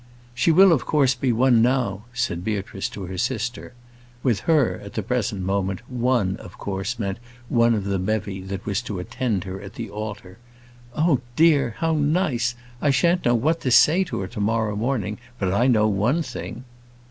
"She will of course be one now," said Beatrice to her sister. With her, at the present moment, "one" of course meant one of the bevy that was to attend her at the altar. "Oh dear! how nice! I shan't know what to say to her to morrow. But I know one thing."